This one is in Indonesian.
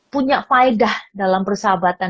punya faedah dalam persahabatan